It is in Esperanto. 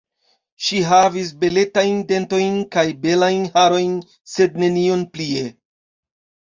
Ŝi havis beletajn dentojn kaj belajn harojn, sed nenion plie.